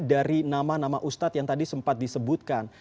dari nama nama ustadz yang tadi sempat disebutkan